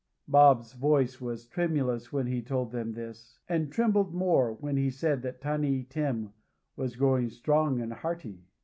Bob's voice was tremulous when he told them this, and trembled more when he said that Tiny Tim was growing strong and hearty.